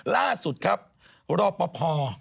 ล่าสุดครับรอปภ